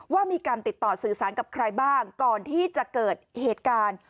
ว่ามีการติดต่อสื่อสารกับใครบ้างก่อนที่จะเกิดเหตุการณ์